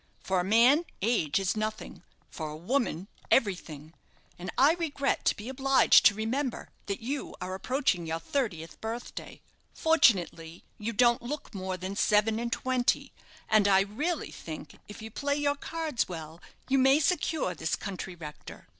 For a man, age is nothing for a woman, everything; and I regret to be obliged to remember that you are approaching your thirtieth birthday. Fortunately, you don't look more than seven and twenty; and I really think, if you play your cards well, you may secure this country rector.